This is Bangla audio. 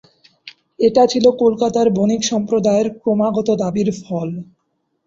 এটি ছিল কলকাতার বণিক সম্প্রদায়ের ক্রমাগতভাবে দাবির ফল।